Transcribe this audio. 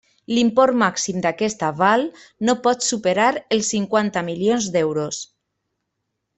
L'import màxim d'aquest aval no pot superar els cinquanta milions d'euros.